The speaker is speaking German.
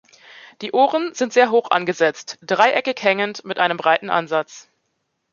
Die Ohren sind sehr hoch angesetzt, dreieckig, hängend, mit einem breiten Ansatz.